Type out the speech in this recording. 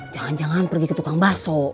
jangan jangan pergi ke tukang bakso